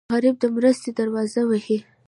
غریب د مرستې دروازه وهي